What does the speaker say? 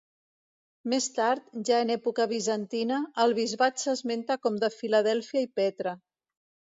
Més tard, ja en època bizantina, el bisbat s'esmenta com de Filadèlfia i Petra.